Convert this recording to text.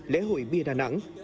lễ hội bia đà nẵng